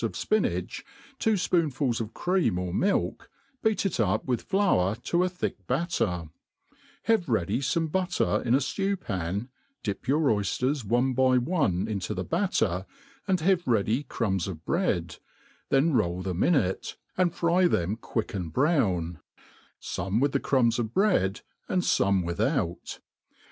of fjpijiach, two fpooAfiris t>f ereaiti ^r thilk, beat it up ^ith flour vto a thick batter; have ready fome buttei' in a ftew pai), dip your oyflers one by one into the halter, and have ready crumbs of bread, then rdll them in it, and fry them q^uick and brown; fome with the crumbs of bread, and f<9me without.